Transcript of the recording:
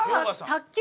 卓球！